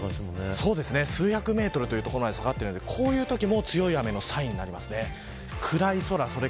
数百メートルという所まで下がってきているんでこういうときも強い雨のサインです。